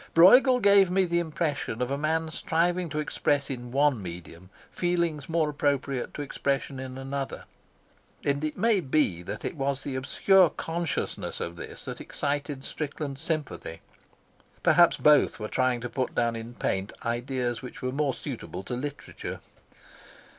Brueghel gave me the impression of a man striving to express in one medium feelings more appropriate to expression in another, and it may be that it was the obscure consciousness of this that excited Strickland's sympathy. Perhaps both were trying to put down in paint ideas which were more suitable to literature.